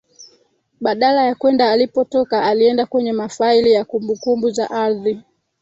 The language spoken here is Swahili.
Badala ya kwenda alipotoka alienda kwenye mafaili ya kumbukumbu za ardhi